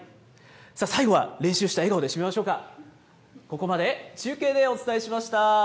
さあ、最後は練習した笑顔で締めましょうか。